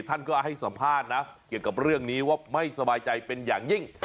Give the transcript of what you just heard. ท่านก็ให้สัมภาษณ์นะเกี่ยวกับเรื่องนี้ว่าไม่สบายใจเป็นอย่างยิ่ง